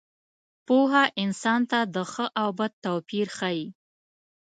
پوهه انسان ته د ښه او بد توپیر ښيي.